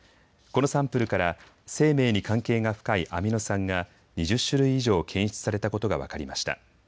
このサンプルから生命に関係が深いアミノ酸が２０種類以上検出されたことが分かりました。